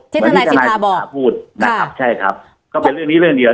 ทนายสิทธาบอกพูดนะครับใช่ครับก็เป็นเรื่องนี้เรื่องเดียว